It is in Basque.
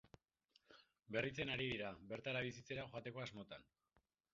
Berritzen ari dira, bertara bizitzera joateko asmotan.